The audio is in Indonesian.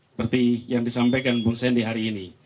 seperti yang disampaikan bung sendi hari ini